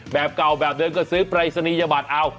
แบบเก่าแบบเดิมก็ซื้อปรายศนียบัตรเอา